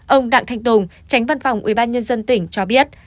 ông đặng thanh tùng tránh văn phòng ubnd tỉnh cho biết